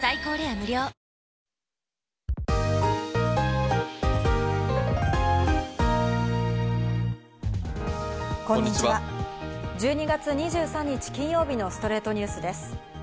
１２月２３日、金曜日の『ストレイトニュース』です。